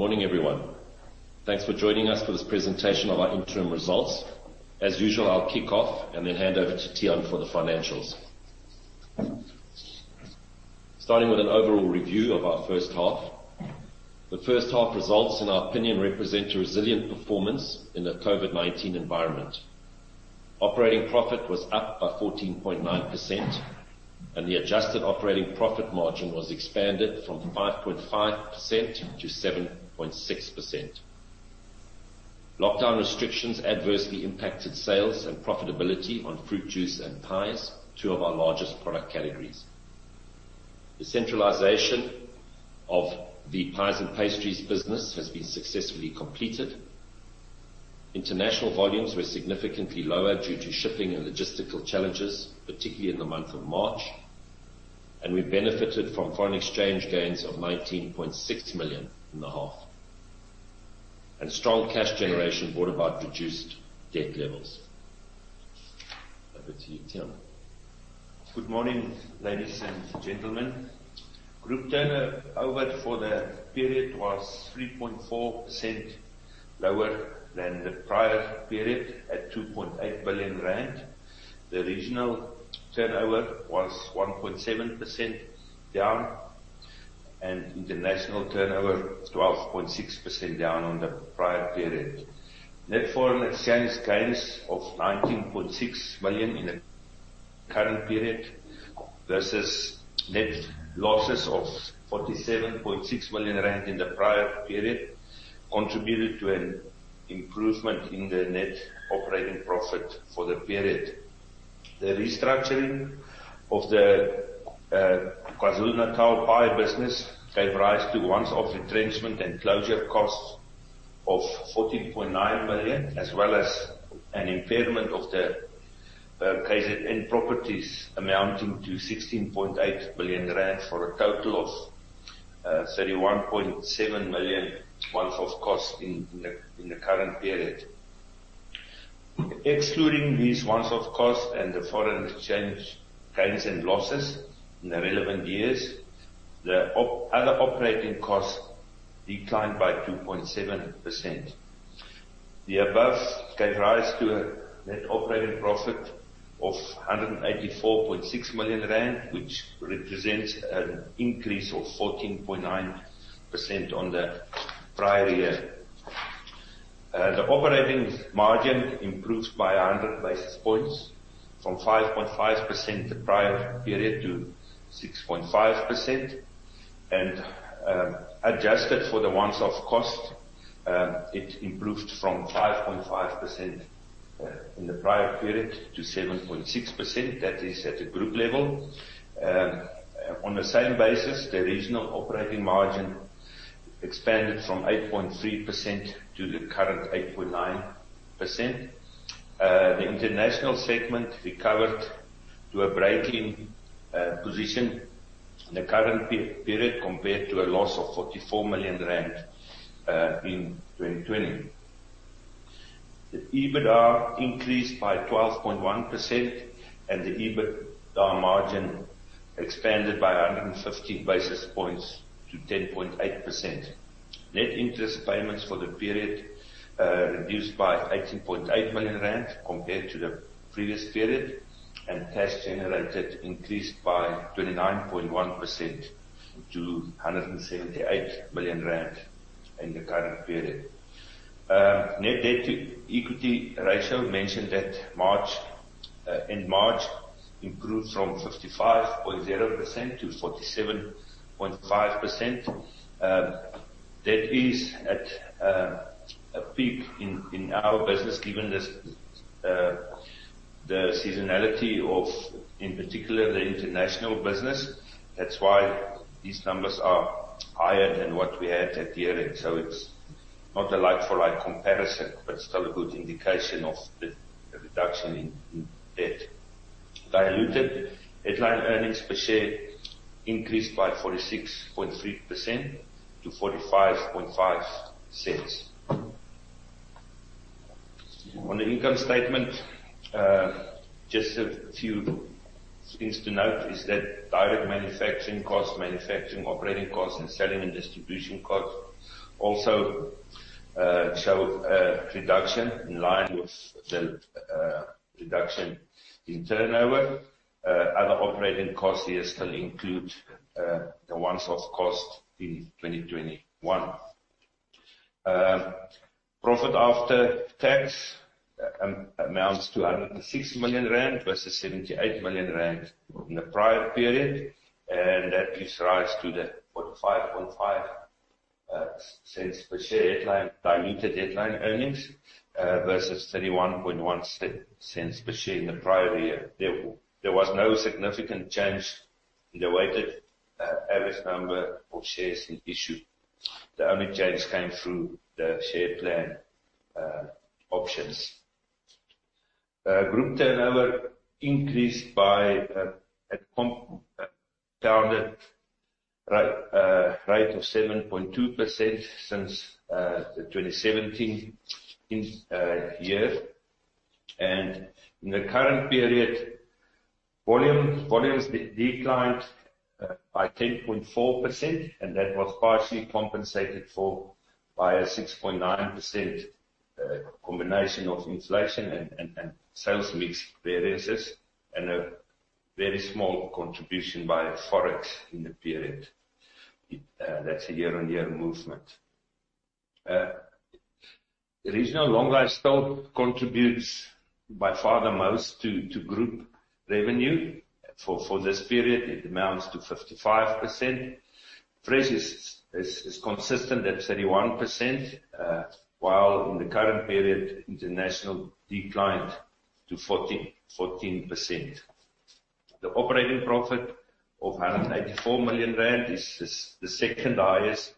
Good morning, everyone. Thanks for joining us for this presentation of our interim results. As usual, I'll kick off and then hand over to Tiaan for the financials. Starting with an overall review of our first half. The first half results, in our opinion, represent a resilient performance in the COVID-19 environment. Operating profit was up by 14.9%, and the adjusted operating profit margin was expanded from 5.5% to 7.6%. Lockdown restrictions adversely impacted sales and profitability on fruit juice and pies, two of our largest product categories. The centralization of the pies and pastries business has been successfully completed. International volumes were significantly lower due to shipping and logistical challenges, particularly in the month of March, and we benefited from foreign exchange gains of 19.6 million in the half. Strong cash generation brought about reduced debt levels. Over to you, Tiaan. Good morning, ladies and gentlemen. Group turnover for the period was 3.4% lower than the prior period at 2.8 billion rand. The regional turnover was 1.7% down, and international turnover 12.6% down on the prior period. Net foreign exchange gains of 19.6 million in the current period versus net losses of 47.6 million rand in the prior period contributed to an improvement in the net operating profit for the period. The restructuring of the KwaZulu-Natal pie business gave rise to once-off retrenchment and closure costs of 14.9 million, as well as an impairment of the KZN properties amounting to 16.8 billion rand for a total of 31.7 million once-off costs in the current period. Excluding these once-off costs and the foreign exchange gains and losses in the relevant years, the other operating costs declined by 2.7%. The above gave rise to a net operating profit of 184.6 million rand, which represents an increase of 14.9% on the prior year. The operating margin improves by 100 basis points from 5.5% the prior period to 6.5%, and adjusted for the once-off cost, it improved from 5.5% in the prior period to 7.6%, that is at a group level. On the same basis, the regional operating margin expanded from 8.3% to the current 8.9%. The international segment recovered to a breakeven position in the current period compared to a loss of 44 million rand in 2020. The EBITDA increased by 12.1%, and the EBITDA margin expanded by 150 basis points to 10.8%. Net interest payments for the period reduced by 18.8 million rand compared to the previous period, and cash generated increased by 29.1% to 178 million rand in the current period. Net debt to equity ratio mentioned that in March improved from 55.0% to 47.5%. That is at a peak in our business, given the seasonality of, in particular, the international business. That's why these numbers are higher than what we had at year-end. It's not a like-for-like comparison, but still a good indication of the reduction in debt. Diluted headline earnings per share increased by 46.3% to 0.455. On the income statement, just a few things to note is that direct manufacturing costs, manufacturing operating costs, and selling and distribution costs also show a reduction in line with the reduction in turnover. Other operating costs here still include the one-off costs in 2021. Profit after tax amounts to 106 million rand versus 78 million rand in the prior period. That gives rise to the 0.455 per share diluted headline earnings versus 0.311 per share in the prior year. There was no significant change in the weighted average number of shares in issue. The only change came through the share plan options. Group turnover increased by a compounded rate of 7.2% since 2017. In the current period, volumes declined by 10.4%. That was partially compensated for by a 6.9% combination of inflation and sales mix variances, and a very small contribution by Forex in the period. That's a year-on-year movement. Regional long life still contributes by far the most to group revenue. For this period, it amounts to 55%. Fresh is consistent at 31%, while in the current period, international declined to 14%. The operating profit of 184 million rand is the second highest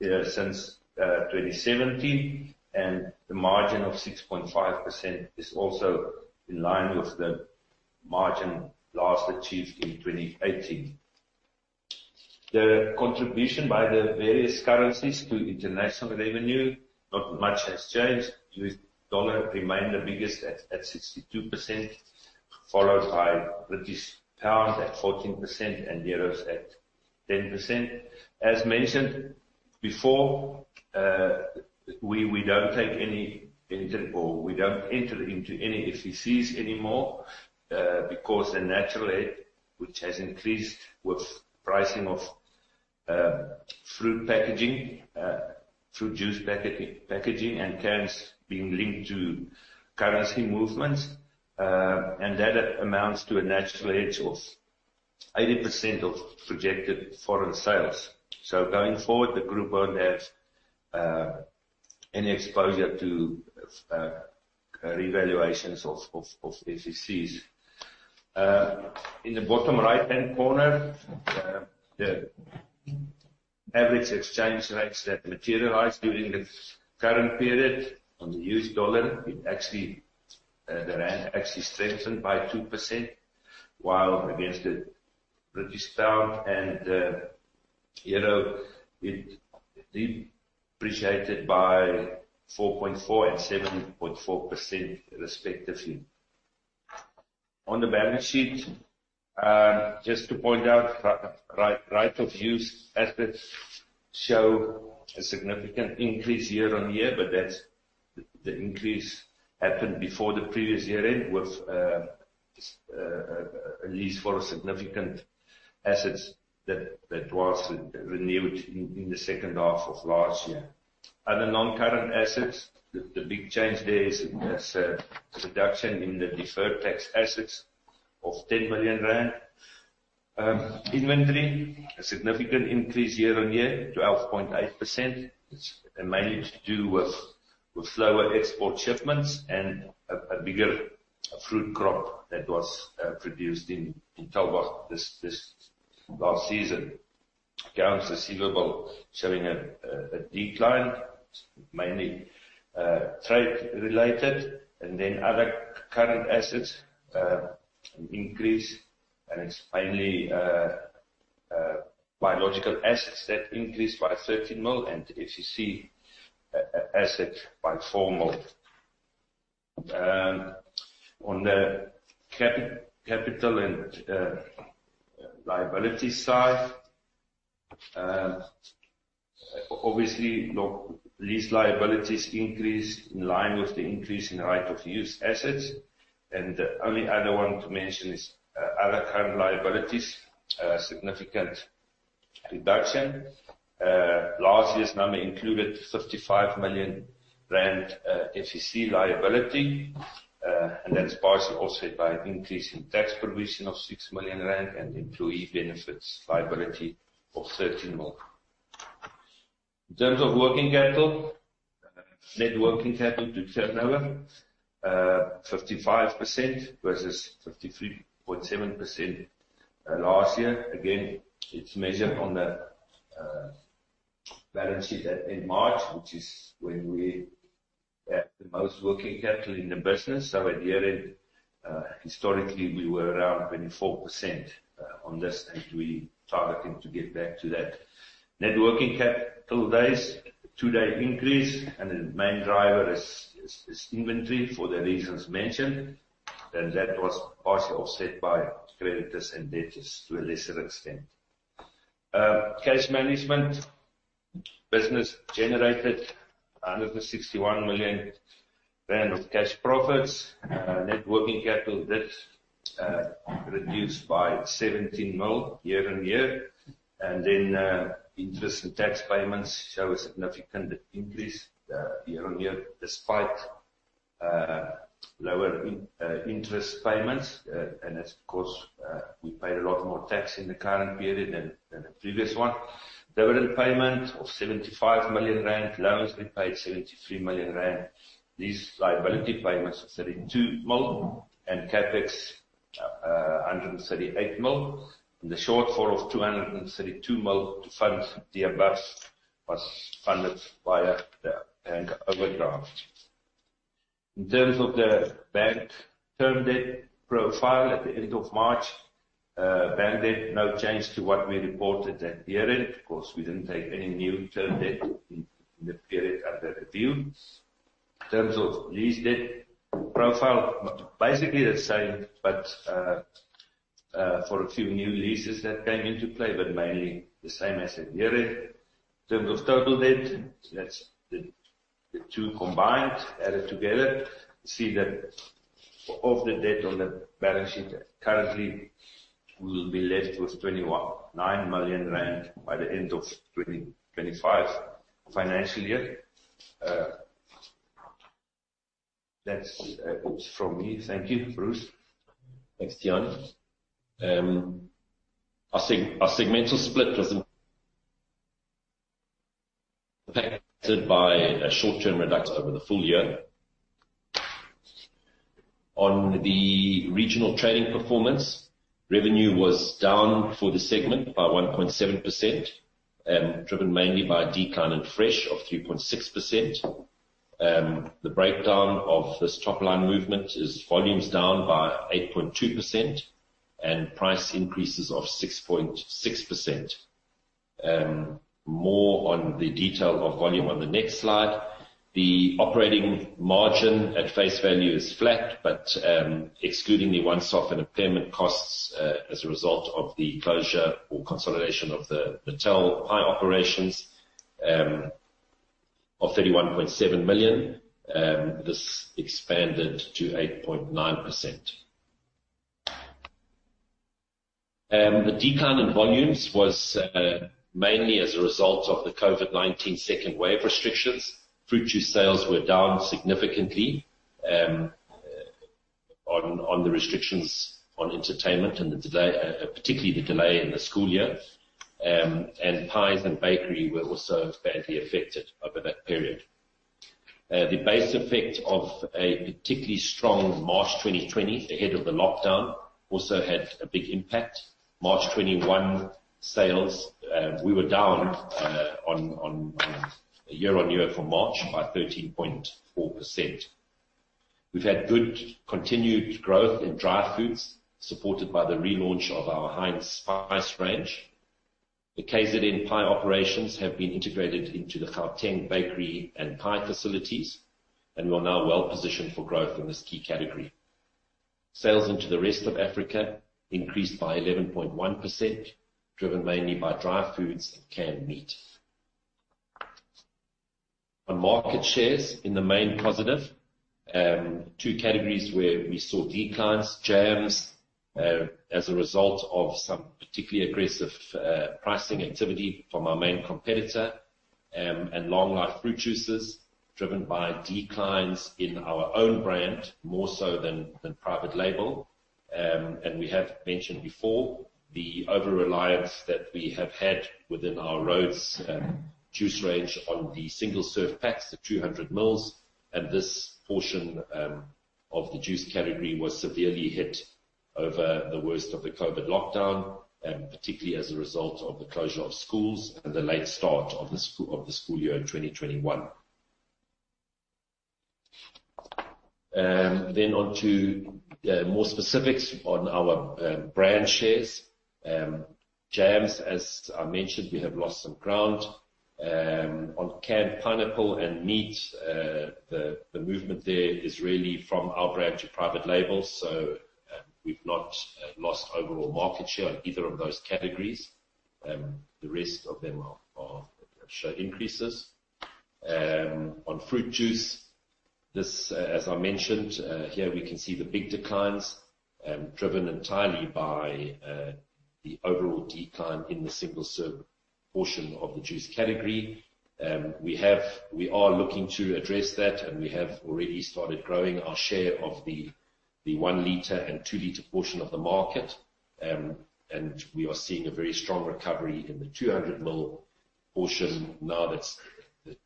since 2017, and the margin of 6.5% is also in line with the margin last achieved in 2018. The contribution by the various currencies to international revenue, not much has changed. US dollar remained the biggest at 62%, followed by British pound at 14% and euros at 10%. As mentioned before, we don't enter into any FECs anymore, because the natural hedge, which has increased with pricing of fruit juice packaging and cans being linked to currency movements, and that amounts to a natural hedge of 80% of projected foreign sales. Going forward, the group won't have any exposure to revaluations of FECs. In the bottom right-hand corner, the average exchange rates that materialize during the current period on the U.S. dollar, the rand actually strengthened by 2%, while against the British pound and the euro, it depreciated by 4.4% and 7.4% respectively. On the balance sheet, just to point out right of use assets show a significant increase year-on-year, but the increase happened before the previous year-end with a lease for a significant assets that was renewed in the second half of last year. Other non-current assets, the big change there is a reduction in the deferred tax assets of 10 million rand. Inventory, a significant increase year-on-year, 12.8%. It's mainly to do with slower export shipments and a bigger fruit crop that was produced in Topaz this last season. Accounts receivable showing a decline, mainly trade related. Other current assets, an increase, it's mainly biological assets that increased by 30 million and FEC asset by 4 million. On the capital and liability side, obviously, lease liabilities increase in line with the increase in the right of use assets. The only other one to mention is other current liabilities, a significant reduction. Last year's number included 55 million rand FEC liability, and that's partially offset by an increase in tax provision of 6 million rand and employee benefits liability of 30 million. In terms of working capital, net working capital to turnover, 55% versus 53.7% last year. Again, it's measured on the balance sheet at end March, which is when we had the most working capital in the business. At year-end, historically, we were around 24% on this, and we targeting to get back to that. Net working capital days, two-day increase, and the main driver is inventory for the reasons mentioned, and that was partially offset by creditors and debtors to a lesser extent. Cash management. Business generated 161 million rand of cash profits. Net working capital debt reduced by ZAR 70 million year-on-year. Interest and tax payments show a significant increase year-on-year, despite lower interest payments. It's because we paid a lot more tax in the current period than the previous one. Dividend payment of 75 million rand. Loans, we paid 73 million rand. Lease liability payments of 32 million and CapEx, 138 million. The shortfall of 232 million to fund the above was funded via an overdraft. In terms of the bank term debt profile at the end of March. Bank debt, no change to what we reported at year-end because we didn't take any new term debt in the period under review. In terms of lease debt profile, basically the same, but for a few new leases that came into play, but mainly the same as at year-end. In terms of total debt, that's the two combined added together. See that of the debt on the balance sheet currently will be left with 29 million rand by the end of 2025 financial year. That's all from me. Thank you, Bruce. Thanks, Tiaan. Our segmental split was impacted by a short-term reduction over the full year. On the regional trading performance, revenue was down for the segment by 1.7%, driven mainly by a decline in fresh of 3.6%. The breakdown of this top-line movement is volumes down by 8.2% and price increases of 6.6%. More on the detail of volume on the next slide. The operating margin at face value is flat, but excluding the once-off and impairment costs as a result of the closure or consolidation of the Pietermaritzburg pie operations of 31.7 million, this expanded to 8.9%. The decline in volumes was mainly as a result of the COVID-19 second wave restrictions. Fruit juice sales were down significantly on the restrictions on entertainment and particularly the delay in the school year. Pies and bakery were also badly affected over that period. The base effect of a particularly strong March 2020 ahead of the lockdown also had a big impact. March 2021 sales, we were down on a year-on-year for March by 13.4%. We've had good continued growth in dry foods, supported by the relaunch of our Hinds spice range. The KZN pie operations have been integrated into the Gauteng bakery and pie facilities, and we're now well positioned for growth in this key category. Sales into the rest of Africa increased by 11.1%, driven mainly by dry foods and canned meat. On market shares in the main positive, two categories where we saw declines, jams, as a result of some particularly aggressive pricing activity from our main competitor, and long-life fruit juices driven by declines in our own brand more so than private label. We have mentioned before the over-reliance that we have had within our Rhodes juice range on the single-serve packs, the 200 mL, and this portion of the juice category was severely hit over the worst of the COVID lockdown, particularly as a result of the closure of schools and the late start of the school year in 2021. On to more specifics on our brand shares. Jams, as I mentioned, we have lost some ground. On canned pineapple and meat, the movement there is really from our brand to private label, so we've not lost overall market share on either of those categories. The rest of them showed increases. On fruit juice, as I mentioned, here we can see the big declines driven entirely by the overall decline in the single-serve portion of the juice category. We are looking to address that. We have already started growing our share of the one-liter and two-liter portion of the market. We are seeing a very strong recovery in the 200 mL portion now that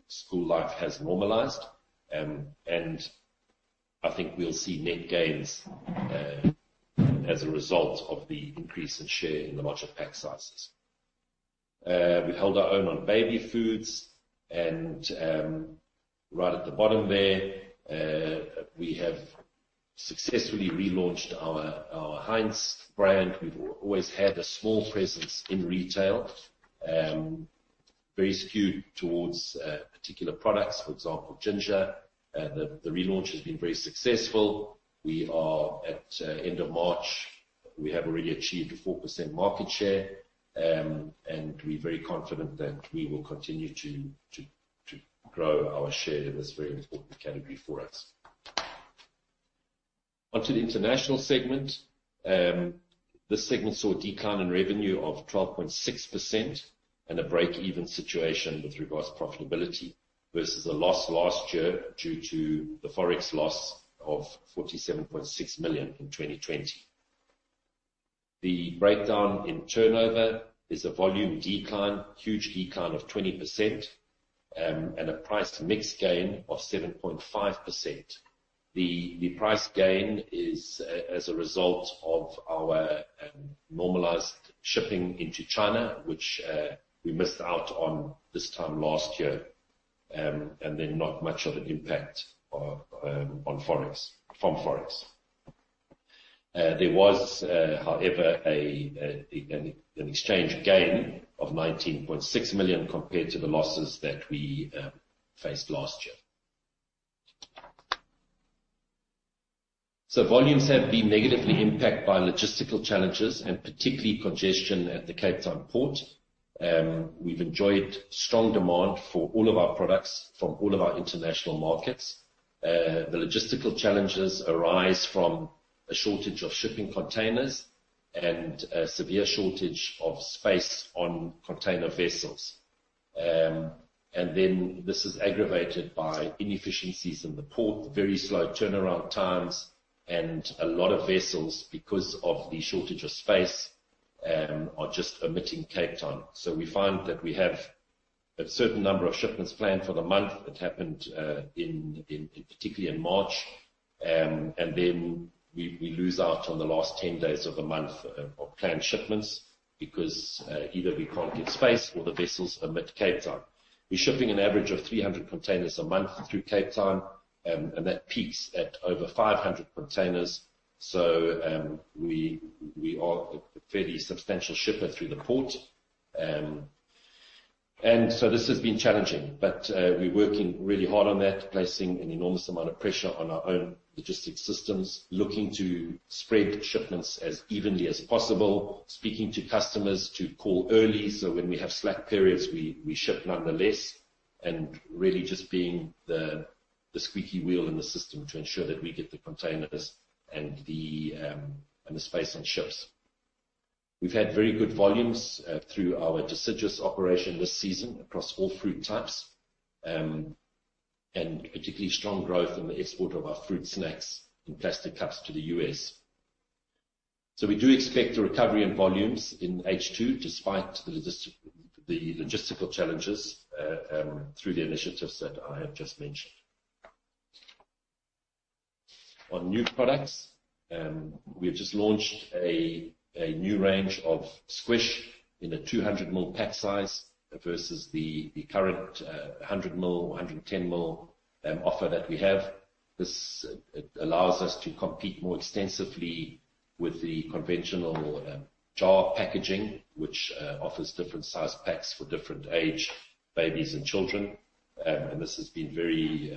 school life has normalized. I think we'll see net gains as a result of the increase in share in the larger pack sizes. We held our own on baby foods, and right at the bottom there, we have successfully relaunched our Hinds brand. We've always had a small presence in retail, very skewed towards particular products, for example, ginger. The relaunch has been very successful. We are at end of March, we have already achieved a 4% market share, and we're very confident that we will continue to grow our share in this very important category for us. Onto the international segment. This segment saw a decline in revenue of 12.6% and a break-even situation with regards to profitability versus a loss last year due to the Forex loss of 47.6 million in 2020. The breakdown in turnover is a volume decline, huge decline of 20%, and a price mix gain of 7.5%. The price gain is as a result of our normalized shipping into China, which we missed out on this time last year. Not much of an impact from forex. There was, however, an exchange gain of 19.6 million compared to the losses that we faced last year. Volumes have been negatively impacted by logistical challenges and particularly congestion at the Cape Town port. We've enjoyed strong demand for all of our products from all of our international markets. The logistical challenges arise from a shortage of shipping containers and a severe shortage of space on container vessels. This is aggravated by inefficiencies in the port, very slow turnaround times, and a lot of vessels, because of the shortage of space, are just omitting Cape Town. We find that we have a certain number of shipments planned for the month that happened, particularly in March, and then we lose out on the last 10 days of the month of planned shipments because either we can't get space or the vessels omit Cape Town. We're shipping an average of 300 containers a month through Cape Town, and that peaks at over 500 containers. We are a fairly substantial shipper through the port. This has been challenging, but we're working really hard on that, placing an enormous amount of pressure on our own logistics systems, looking to spread shipments as evenly as possible, speaking to customers to call early, so when we have slack periods, we ship nonetheless, and really just being the squeaky wheel in the system to ensure that we get the containers and the space and ships. We've had very good volumes through our deciduous operation this season across all fruit types, and particularly strong growth in the export of our fruit snacks in plastic cups to the U.S. We do expect a recovery in volumes in H2 despite the logistical challenges through the initiatives that I have just mentioned. On new products, we have just launched a new range of Squish in a 200 mL pack size versus the current 100 mL, 110 mL offer that we have. This allows us to compete more extensively with the conventional jar packaging, which offers different size packs for different age babies and children. This has been very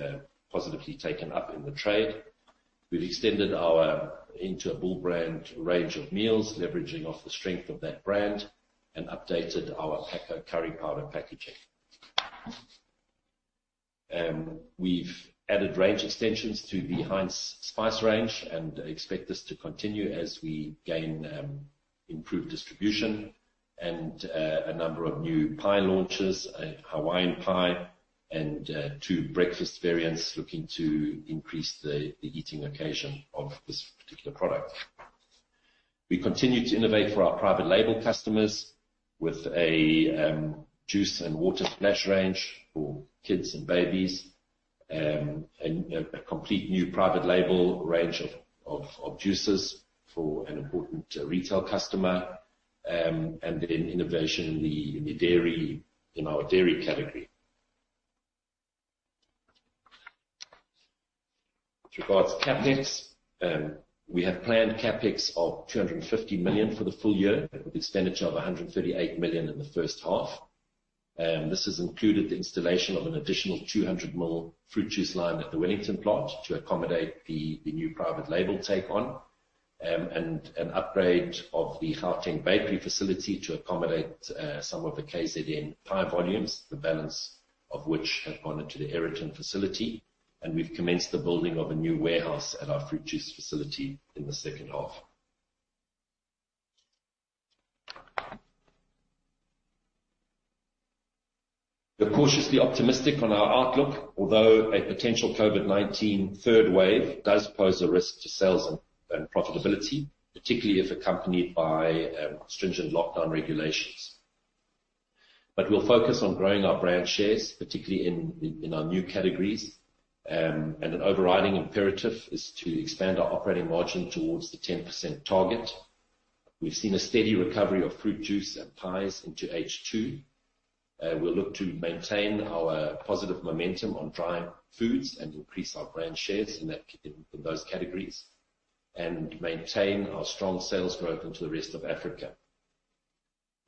positively taken up in the trade. We've extended our Bull Brand range of meals, leveraging off the strength of that brand and updated our Pakco curry powder packaging. We've added range extensions to the Hinds spice range and expect this to continue as we gain improved distribution and a number of new pie launches, a Hawaiian pie and two breakfast variants looking to increase the eating occasion of this particular product. We continue to innovate for our private label customers with a juice and water splash range for kids and babies, and a complete new private label range of juices for an important retail customer, and then innovation in our dairy category. Regards CapEx, we have planned CapEx of 250 million for the full year, with expenditure of 138 million in the first half. This has included the installation of an additional 200 mL fruit juice line at the Wellington plant to accommodate the new private label take-on, and an upgrade of the Hartsene bakery facility to accommodate some of the KZN pie volumes, the balance of which have gone into the Epping facility. We've commenced the building of a new warehouse at our fruit juice facility in the second half. We're cautiously optimistic on our outlook, although a potential COVID-19 third wave does pose a risk to sales and profitability, particularly if accompanied by stringent lockdown regulations. We'll focus on growing our brand shares, particularly in our new categories, and an overriding imperative is to expand our operating margin towards the 10% target. We've seen a steady recovery of fruit juice and pies into H2. We look to maintain our positive momentum on dry foods and increase our brand shares in those categories and maintain our strong sales growth into the rest of Africa.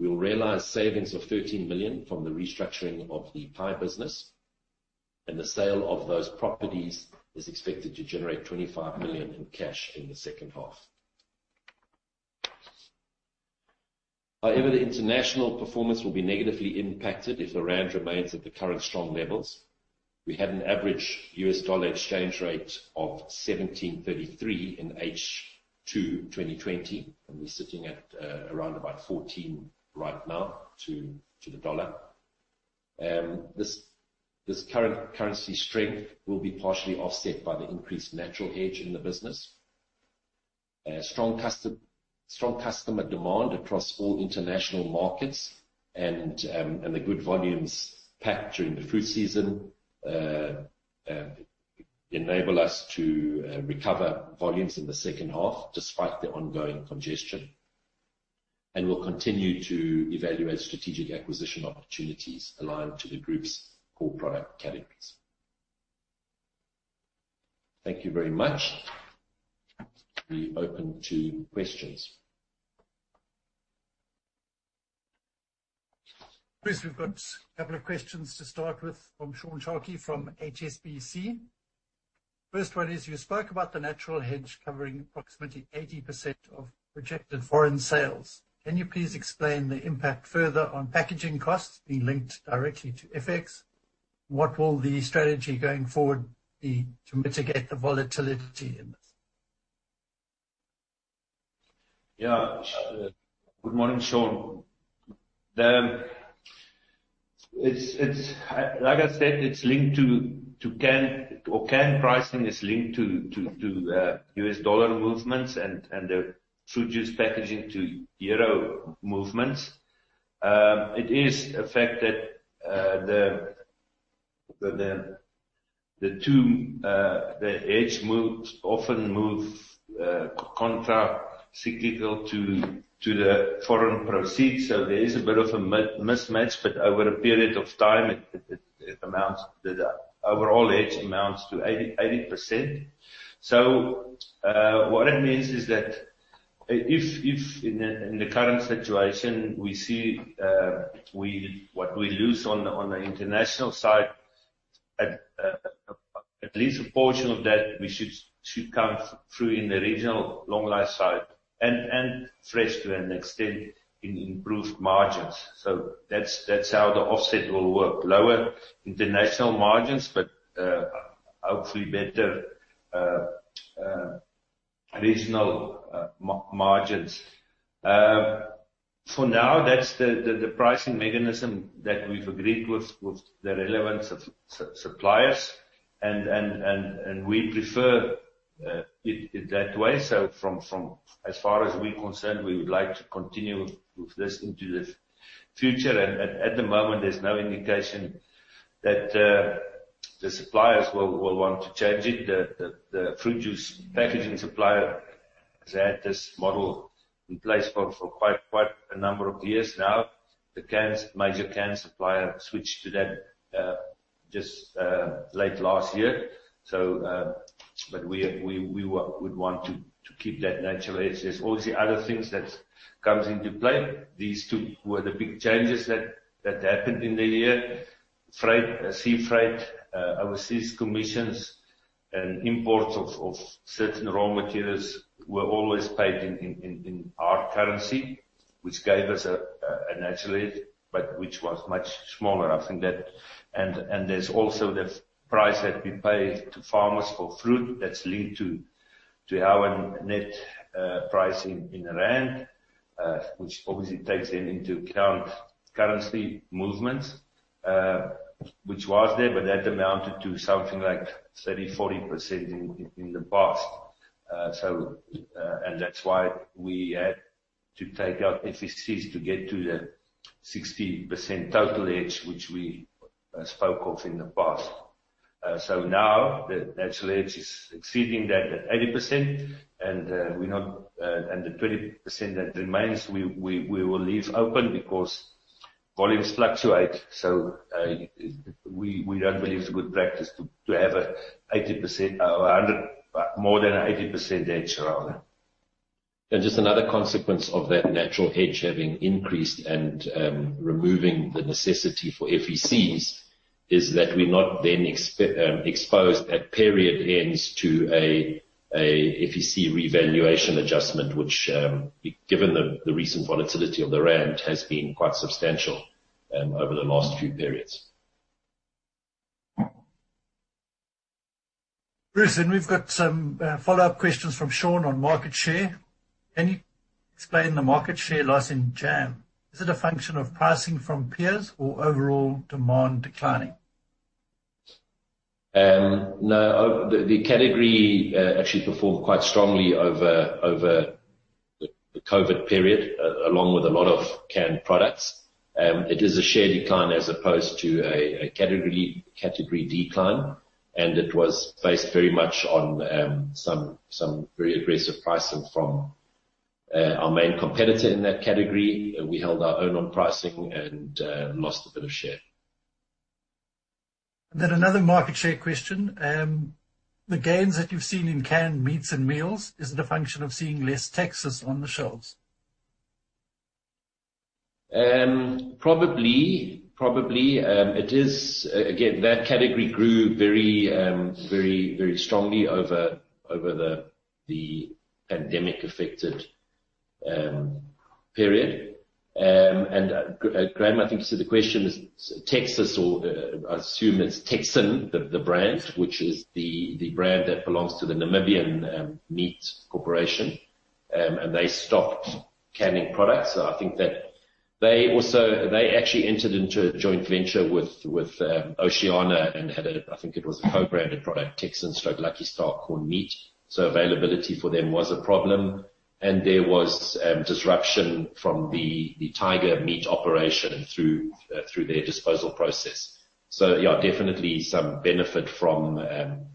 We will realize savings of 13 million from the restructuring of the pie business, and the sale of those properties is expected to generate 25 million in cash in the second half. However, the international performance will be negatively impacted if the rand remains at the current strong levels. We had an average US dollar exchange rate of 17.33 in H2 2020. We're sitting at around about 14 right now to the dollar. This current currency strength will be partially offset by the increased natural hedge in the business. Strong customer demand across all international markets and the good volumes packed during the fruit season enable us to recover volumes in the second half despite the ongoing congestion. We'll continue to evaluate strategic acquisition opportunities aligned to the group's core product categories. Thank you very much. Be open to questions. Chris, we've got a couple of questions to start with from Sean Chalkey from HSBC. First one is, you spoke about the natural hedge covering approximately 80% of projected foreign sales. Can you please explain the impact further on packaging costs being linked directly to FX? What will the strategy going forward be to mitigate the volatility in this? Yeah. Good morning, Sean. Like I said, can pricing is linked to U.S. dollar movements, and the fruit juice packaging to euro movements. It is a fact that the two, the hedge often move contra-cyclical to the foreign proceeds. There is a bit of a mismatch, but over a period of time, the overall hedge amounts to 80%. What it means is that if in the current situation we see what we lose on the international side, at least a portion of that should come through in the regional long life side, and fresh to an extent in improved margins. That's how the offset will work. Lower international margins, but hopefully better regional margins. For now, that's the pricing mechanism that we've agreed with the relevant suppliers, and we prefer it that way. From as far as we're concerned, we would like to continue with this into the future. At the moment, there's no indication that the suppliers will want to change it. The fruit juice packaging supplier has had this model in place for quite a number of years now. The major can supplier switched to that just late last year. We would want to keep that natural hedge. There's obviously other things that comes into play. These two were the big changes that happened in the year. Freight, sea freight, overseas commissions, and imports of certain raw materials were always paid in our currency, which gave us a natural hedge, but which was much smaller. There's also the price that we pay to farmers for fruit that's linked to our net price in rand, which obviously takes into account currency movements, which was there, but that amounted to something like 30%-40% in the past. That's why we had to take up FECs to get to the 60% total hedge, which we spoke of in the past. Now the natural hedge is exceeding that at 80%, and the 20% that remains, we will leave open because volumes fluctuate, so we don't believe it's a good practice to have more than 80% hedge on. Just another consequence of that natural hedge having increased and removing the necessity for FECs is that we're not then exposed at period ends to a FEC revaluation adjustment, which, given the recent volatility of the ZAR, has been quite substantial over the last few periods. Chris, we've got some follow-up questions from Sean on market share. Can you explain the market share loss in jam? Is it a function of pricing from peers or overall demand declining? No. The category actually performed quite strongly over the COVID period along with a lot of canned products. It is a share decline as opposed to a category decline, and it was based very much on some very aggressive pricing from our main competitor in that category. We held our own on pricing and lost a bit of share. Another market share question. The gains that you've seen in canned meats and meals, is it a function of seeing less Texan on the shelves? Probably. Again, that category grew very strongly over the pandemic affected period. Graham, I think you said the question is Texan, I assume it's Texan, the brand, which is the brand that belongs to the Meat Corporation of Namibia, and they stopped canning products. I think that they actually entered into a joint venture with Oceana and had, I think it was a co-branded product, Texan/Lucky Star corned meat. Availability for them was a problem, and there was disruption from the Tiger Brands operation through their disposal process. Yeah, definitely some benefit from.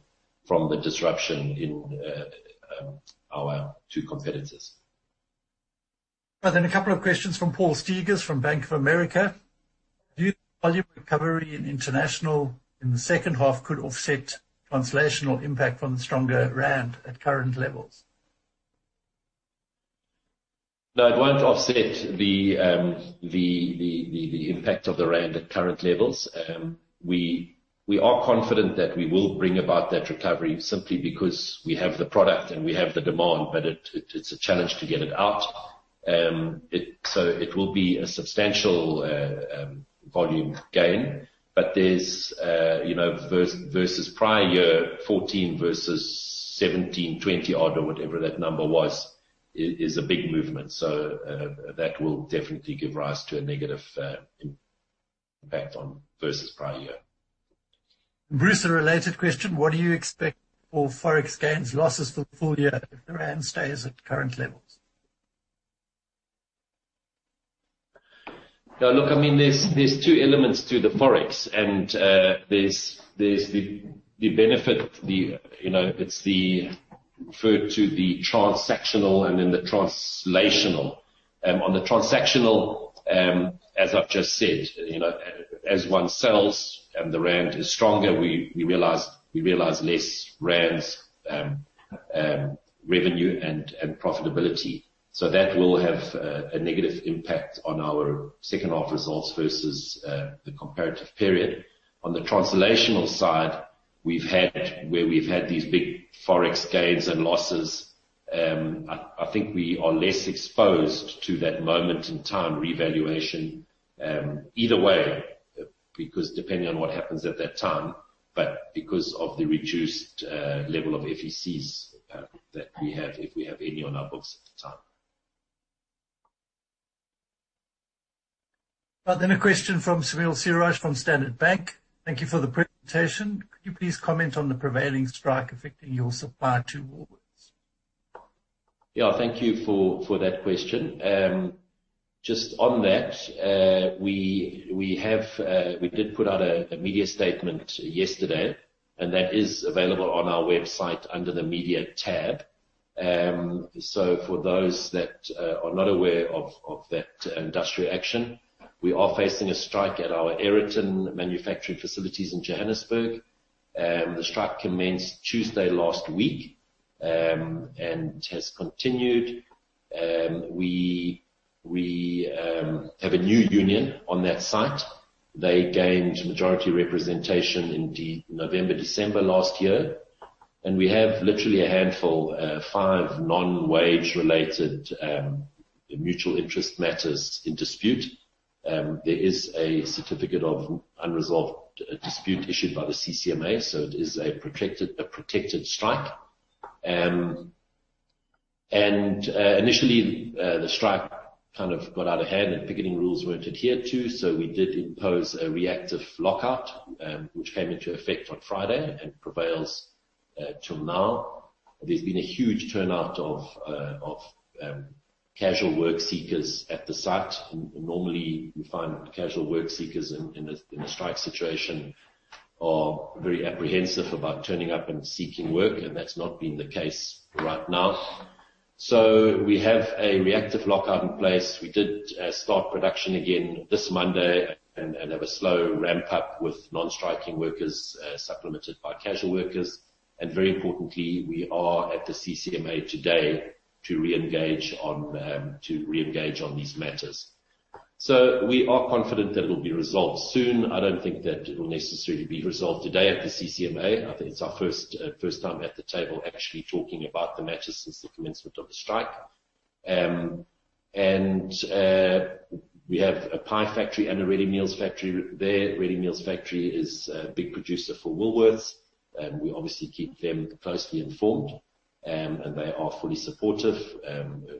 From the disruption in our two competitors. A couple of questions from Paul Steegers from Bank of America. Do you think volume recovery in international in the second half could offset translational impact from the stronger rand at current levels? No, it won't offset the impact of the rand at current levels. We are confident that we will bring about that recovery simply because we have the product and we have the demand, but it's a challenge to get it out. It will be a substantial volume gain. Versus prior year, 14 versus 17, 20 odd or whatever that number was, is a big movement. That will definitely give rise to a negative impact on versus prior year. Bruce, a related question. What do you expect for Forex gains, losses for full year if the rand stays at current levels? There's two elements to the Forex and there's the benefit. It's referred to the transactional and then the translational. On the transactional, as I've just said, as one sells and the rand is stronger, we realize less rands revenue and profitability. That will have a negative impact on our second half results versus the comparative period. On the translational side, where we've had these big Forex gains and losses, I think we are less exposed to that moment in time revaluation, either way, because depending on what happens at that time, but because of the reduced level of FECs that we have, if we have any on our books at the time. A question from Sumil Seeraj from Standard Bank. Thank you for the presentation. Could you please comment on the prevailing strike affecting your supply to Woolworths? Yeah. Thank you for that question. Just on that, we did put out a media statement yesterday, and that is available on our website under the media tab. For those that are not aware of that industrial action, we are facing a strike at our Aeroton manufacturing facilities in Johannesburg. The strike commenced Tuesday last week, and has continued. We have a new union on that site. They gained majority representation in November, December last year, and we have literally a handful, five non-wage related mutual interest matters in dispute. There is a certificate of unresolved dispute issued by the CCMA, so it is a protected strike. Initially, the strike kind of got out of hand and picketing rules weren't adhered to, so we did impose a reactive lockout, which came into effect on Friday and prevails till now. There's been a huge turnout of casual work seekers at the site. Normally, we find that casual work seekers in a strike situation are very apprehensive about turning up and seeking work, and that's not been the case right now. We have a reactive lockout in place. We did start production again this Monday and have a slow ramp up with non-striking workers, supplemented by casual workers. Very importantly, we are at the CCMA today to reengage on these matters. We are confident that it'll be resolved soon. I don't think that it will necessarily be resolved today at the CCMA. I think it's our first time at the table actually talking about the matter since the commencement of the strike. We have a pie factory and a ready meals factory there. Ready meals factory is a big producer for Woolworths, and we obviously keep them closely informed. They are fully supportive.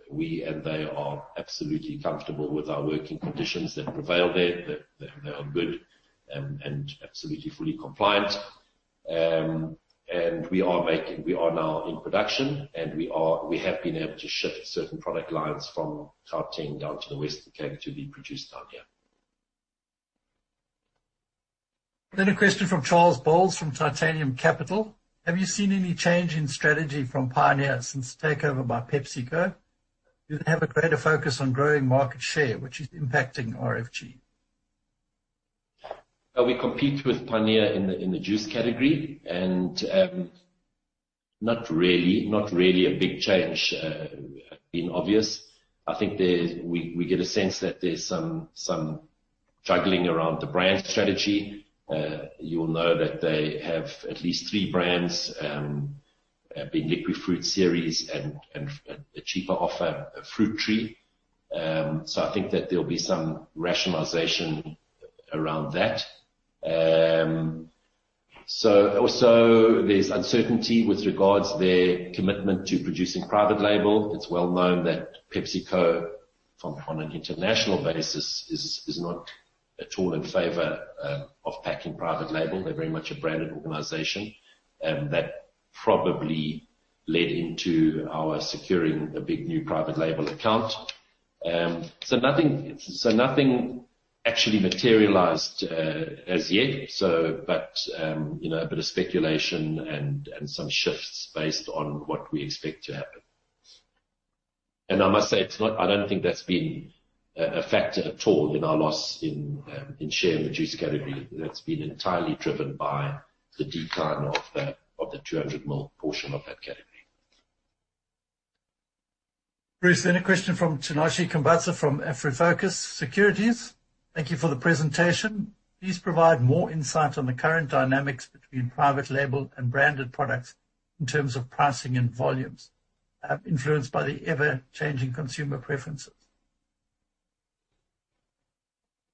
We and they are absolutely comfortable with our working conditions that prevail there, that they are good and absolutely fully compliant. We are now in production, and we have been able to shift certain product lines from Tarlton down to the Western Cape to be produced down here. A question from Charles Boles from Titanium Capital. Have you seen any change in strategy from Pioneer since takeover by PepsiCo? Do they have a greater focus on growing market share, which is impacting RFG? We compete with Pioneer Foods in the juice category. Not really a big change being obvious. I think we get a sense that there's some juggling around the brand strategy. You'll know that they have at least three brands, the Naked Fruit series and a cheaper offer, Fruit Tree. I think that there'll be some rationalization around that. Also, there's uncertainty with regards their commitment to producing private label. It's well known that PepsiCo, from an international basis, is not at all in favor of packing private label. They're very much a branded organization. That probably led into our securing a big new private label account. Nothing actually materialized as yet. A bit of speculation and some shifts based on what we expect to have. I must say, I don't think that's been a factor at all in our loss in share in the juice category. That's been entirely driven by the decline of the 200 mL portion of that category. Bruce, then a question from Tinashe Kambadza from AfriFocus Securities. "Thank you for the presentation. Please provide more insight on the current dynamics between private label and branded products in terms of pricing and volumes, influenced by the ever-changing consumer preferences.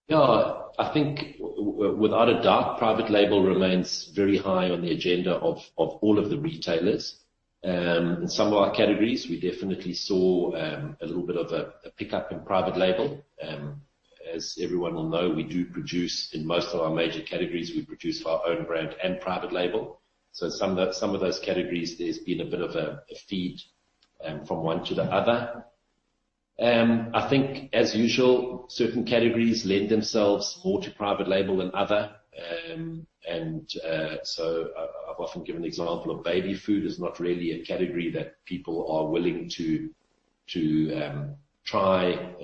Yeah, I think without a doubt, private label remains very high on the agenda of all of the retailers. In some of our categories, we definitely saw a little bit of a pickup in private label. As everyone will know, we do produce in most of our major categories, we produce our own brand and private label. Some of those categories, there's been a bit of a feed from one to the other. I think as usual, certain categories lend themselves more to private label than other. I've often given the example of baby food is not really a category that people are willing to try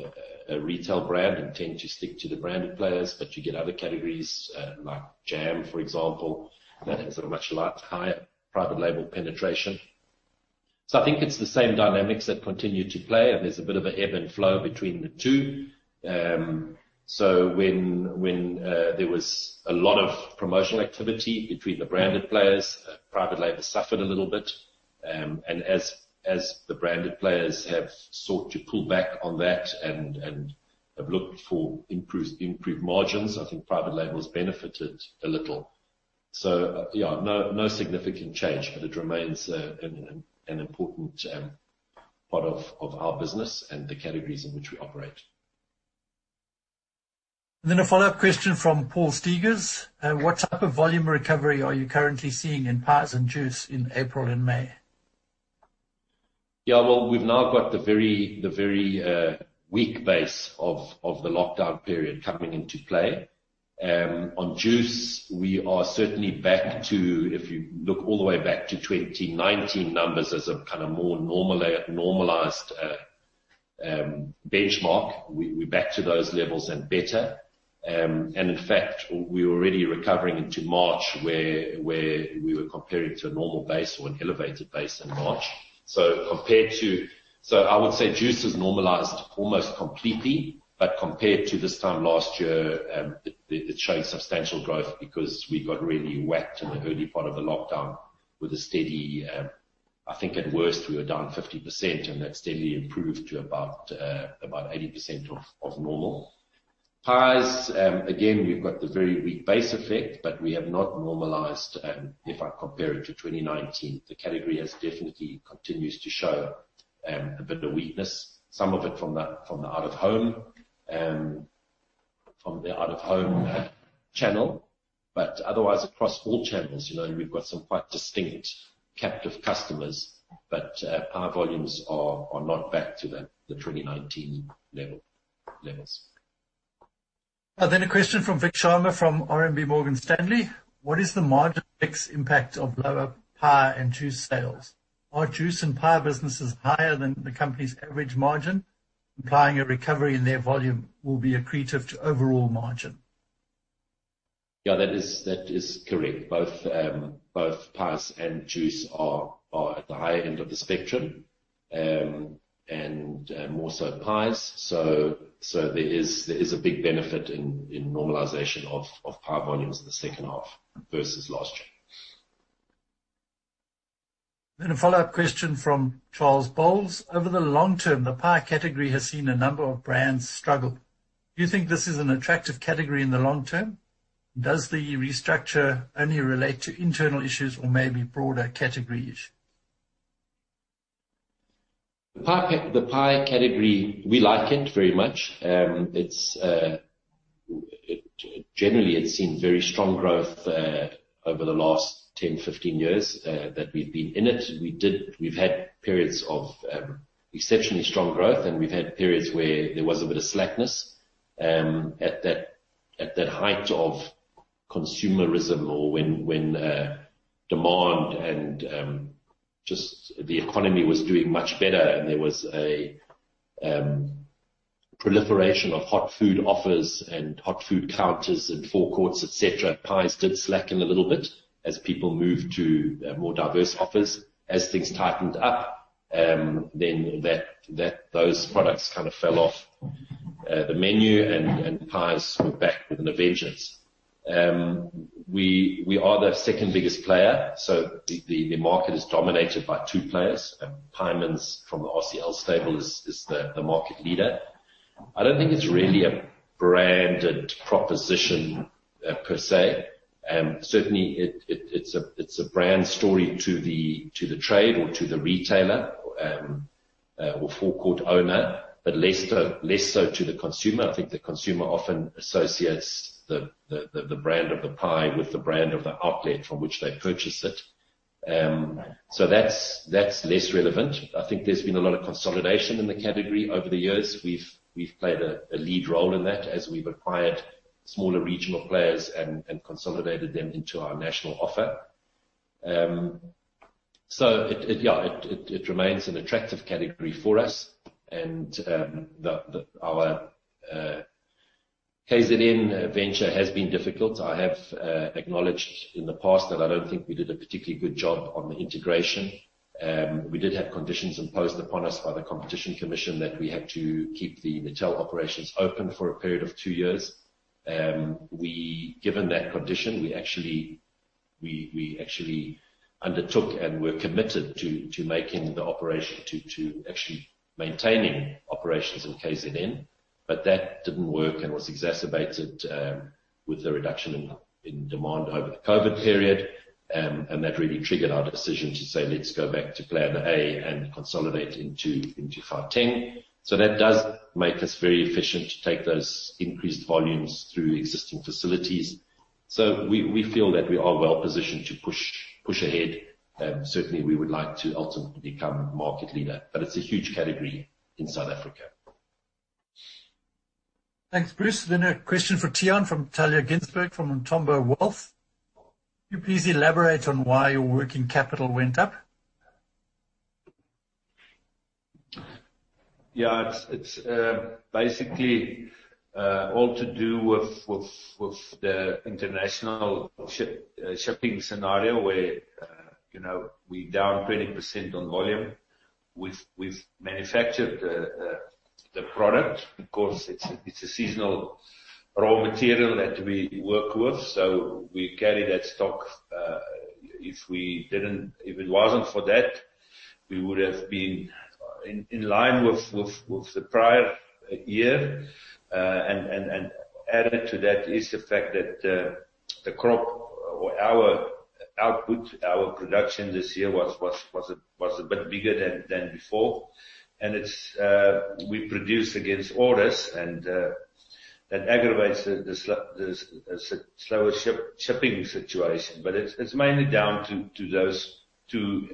a retail brand and tend to stick to the branded players. You get other categories like jam, for example, that has a much higher private label penetration. I think it's the same dynamics that continue to play, and there's a bit of an ebb and flow between the two. When there was a lot of promotional activity between the branded players, private label suffered a little bit. As the branded players have sought to pull back on that and have looked for improved margins, I think private label has benefited a little. Yeah, no significant change, but it remains an important part of our business and the categories in which we operate. A follow-up question from Paul Steegers. "What type of volume recovery are you currently seeing in pies and juice in April and May? Yeah. Well, we've now got the very weak base of the lockdown period coming into play. On juice, we are certainly back to, if you look all the way back to 2019 numbers as a kind of more normalized benchmark, we're back to those levels and better. In fact, we're already recovering into March, where we were comparing to a normal base or an elevated base in March. I would say juice is normalized almost completely, but compared to this time last year, it showed substantial growth because we got really whacked in the early part of the lockdown with a steady, I think at worst, we were down 50%, and that steadily improved to about 80% of normal. Pies, again, we've got the very weak base effect, but we have not normalized if I compare it to 2019. The category definitely continues to show a bit of weakness, some of it from the out of home channel. Otherwise, across all channels, we've got some quite distinct captive customers. Our volumes are not back to the 2019 levels. A question from Vikhyat Sharma from RMB Morgan Stanley. "What is the margin mix impact of lower pie and juice sales? Are juice and pie businesses higher than the company's average margin, implying a recovery in their volume will be accretive to overall margin? Yeah, that is correct. Both pies and juice are at the higher end of the spectrum, and more so pies. There is a big benefit in normalization of pie volumes in the second half versus last year. A follow-up question from Charles Boles: Over the long term, the pie category has seen a number of brands struggle. Do you think this is an attractive category in the long term? Does the restructure only relate to internal issues or maybe broader category issues? The pie category, we like it very much. Generally, it's seen very strong growth over the last 10, 15 years that we've been in it. We've had periods of exceptionally strong growth, and we've had periods where there was a bit of slackness. At the height of consumerism or when demand and just the economy was doing much better and there was a proliferation of hot food offers and hot food counters in food courts, et cetera, pies did slacken a little bit as people moved to more diverse offers. As things tightened up, then those products kind of fell off the menu, and pies came back with a vengeance. We are the second biggest player. The market is dominated by two players. Pieman's from the RCL stable is the market leader. I don't think it's really a branded proposition per se. Certainly, it's a brand story to the trade or to the retailer or food court owner, but less so to the consumer. I think the consumer often associates the brand of the pie with the brand of the outlet from which they purchased it. That's less relevant. I think there's been a lot of consolidation in the category over the years. We've played a lead role in that as we've acquired smaller regional players and consolidated them into our national offer. It remains an attractive category for us. Our KZN venture has been difficult. I have acknowledged in the past that I don't think we did a particularly good job on the integration. We did have conditions imposed upon us by the Competition Commission that we had to keep the retail operations open for a period of two years. Given that condition, we actually undertook and were committed to making the operation, to actually maintaining operations in KZN. That didn't work and was exacerbated with the reduction in demand over the COVID period. That really triggered our decision to say, "Let's go back to Plan A and consolidate into fighting." That does make us very efficient to take those increased volumes through existing facilities. We feel that we are well-positioned to push ahead, and certainly, we would like to ultimately become market leader. It's a huge category in South Africa. Thanks, Bruce. A question for Tiaan from Talya Ginsberg from Umthombo Wealth. "Could you please elaborate on why your working capital went up? Yeah, it's basically all to do with the international shipping scenario where we're down 20% on volume. We've manufactured the product because it's a seasonal raw material that we work with. We carry that stock. If it wasn't for that, we would have been in line with the prior year. Added to that is the fact that the crop, our output, our production this year was a bit bigger than before. We produce against orders. That aggravates the slower shipping situation. It's mainly down to those two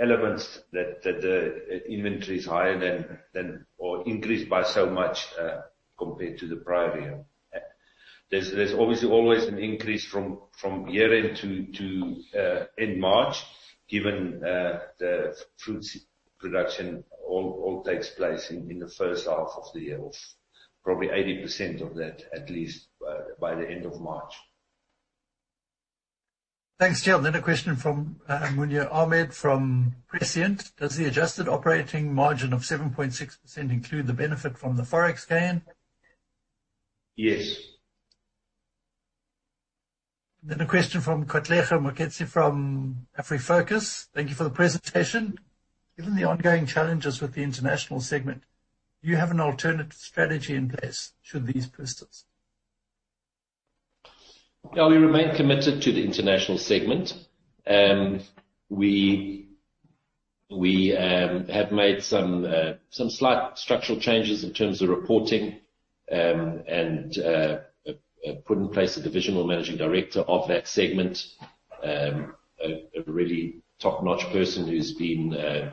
elements that the inventory is higher than, or increased by so much compared to the prior year. There's obviously always an increase from year-end to end March, given the fruits production all takes place in the first half of the year, or probably 80% of that, at least, by the end of March. Thanks, Tiaan. A question from Muneer Ahmed from Prescient. "Does the adjusted operating margin of 7.6% include the benefit from the ForEx gain? Yes. A question from Katleho Moketsi from AfriFocus. "Thank you for the presentation. Given the ongoing challenges with the international segment, do you have an alternative strategy in place should these persist? Yeah, we remain committed to the international segment. We have made some slight structural changes in terms of reporting and put in place a divisional managing director of that segment, a really top-notch person who's been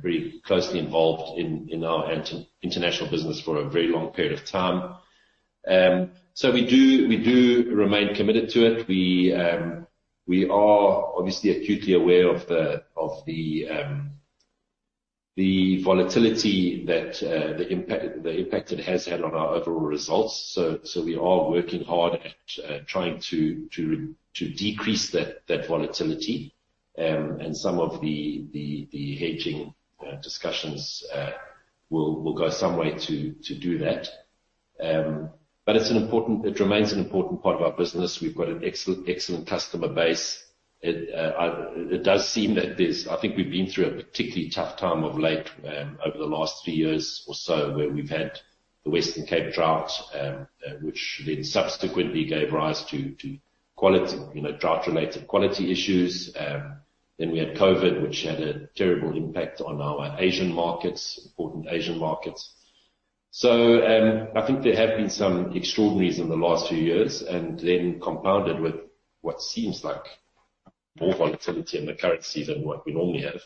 very closely involved in our international business for a very long period of time. We do remain committed to it. We are obviously acutely aware of the volatility, the impact it has had on our overall results. We are working hard at trying to decrease that volatility. Some of the hedging discussions will go some way to do that. It remains an important part of our business. We've got an excellent customer base. I think we've been through a particularly tough time of late, over the last few years or so, where we've had the Western Cape drought, which then subsequently gave rise to drought-related quality issues. We had COVID, which had a terrible impact on our Asian markets, important Asian markets. I think there have been some extraordinaries in the last few years, compounded with what seems like more volatility in the currency than what we normally have.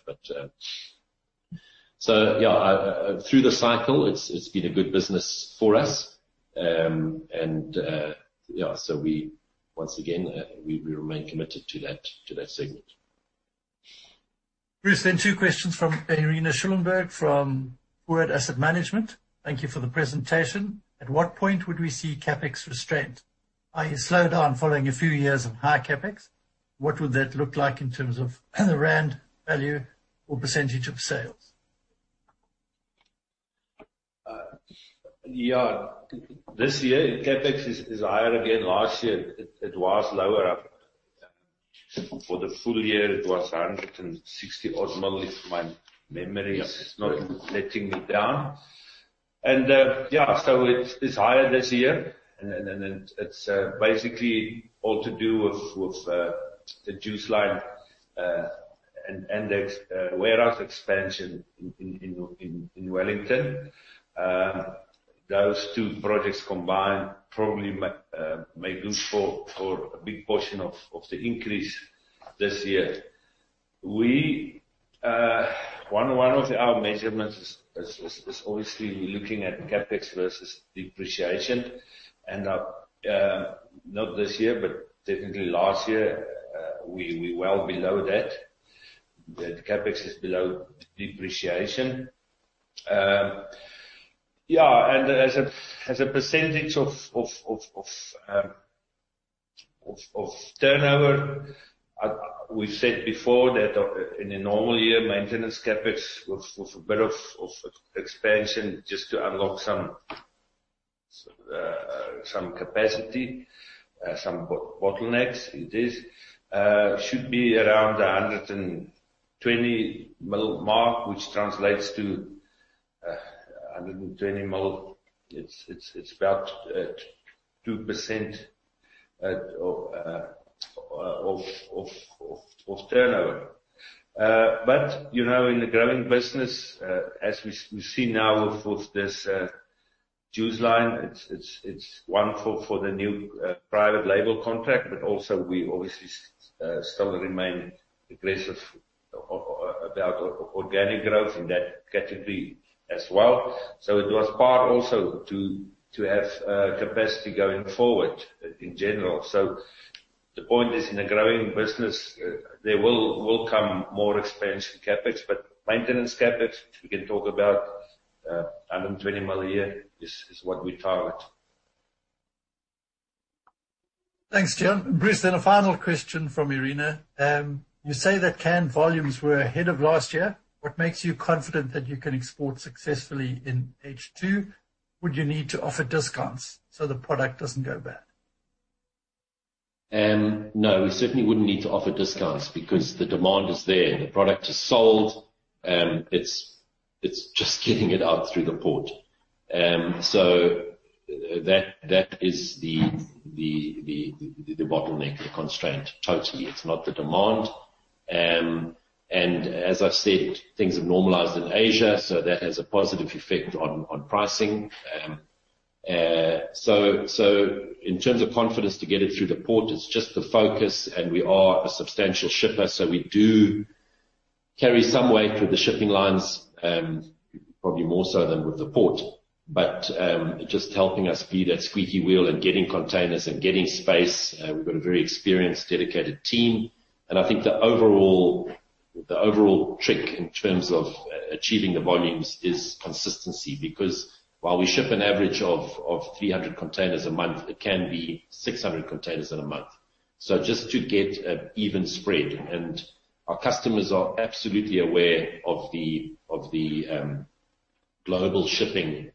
Through the cycle, it has been a good business for us. Once again, we remain committed to that segment. Bruce, two questions from Irina Schumanberg from Foord Asset Management. "Thank you for the presentation. At what point would we see CapEx restraint? Are you slowed down following a few years of high CapEx? What would that look like in terms of rand value or percentage of sales? Yeah. This year, CapEx is higher again. Last year, it was lower. For the full year, it was 160 odd million, if my memory is not letting me down. It's higher this year, and it's basically all to do with the juice line. Index warehouse expansion in Wellington. Those two projects combined probably make room for a big portion of the increase this year. One of our measurements is obviously looking at CapEx versus depreciation. Not this year, but definitely last year, we're well below that. The CapEx is below depreciation. Yeah. As a percentage of turnover, we said before that in a normal year, maintenance CapEx with a bit of expansion just to unlock some capacity, some bottlenecks it is, should be around 120 million mark, which translates to 120 million. It's about 2% of turnover. In a growing business, as we see now with this juice line, it's wonderful for the new private label contract, but also we obviously still remain aggressive about organic growth in that category as well. It was part also to have capacity going forward in general. The point is, in a growing business, there will come more expansion CapEx, but maintenance CapEx, we can talk about, 120 million a year is what we target. Thanks, Tiaan. Bruce, a final question from Irina. "You say that can volumes were ahead of last year. What makes you confident that you can export successfully in H2? Would you need to offer discounts so the product doesn't go bad? No, we certainly wouldn't need to offer discounts because the demand is there. The product is sold. It's just getting it out through the port. That is the bottleneck, the constraint. Totally. It's not the demand. As I said, things have normalized in Asia, that has a positive effect on pricing. In terms of confidence to get it through the port, it's just the focus. We are a substantial shipper, we do carry some weight with the shipping lines, probably more so than with the port. Just helping us be that squeaky wheel and getting containers and getting space. We've got a very experienced, dedicated team. I think the overall trick in terms of achieving the volumes is consistency. While we ship an average of 300 containers a month, it can be 600 containers in a month. Just to get an even spread. Our customers are absolutely aware of the global shipping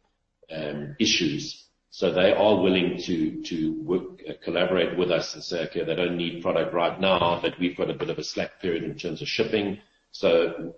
issues. They are willing to collaborate with us and say, "Okay, they don't need product right now," that we've got a bit of a slack period in terms of shipping.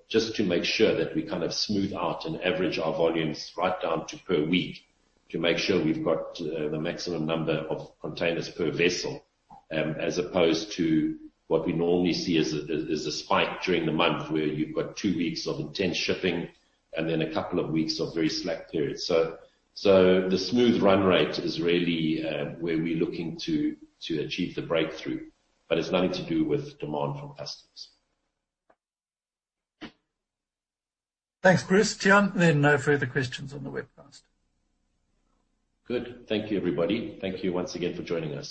Just to make sure that we kind of smooth out and average our volumes right down to per week to make sure we've got the maximum number of containers per vessel, as opposed to what we normally see as a spike during the month where you've got two weeks of intense shipping and then a couple of weeks of very slack period. The smooth run rate is really where we're looking to achieve the breakthrough. It's nothing to do with demand from customers. Thanks, Bruce. Tiaan, no further questions on the webcast. Good. Thank you everybody. Thank you once again for joining us.